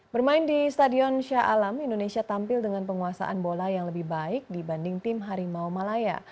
bermain di stadion sya alam indonesia tampil dengan penguasaan bola yang lebih baik dibanding tim harimau malaya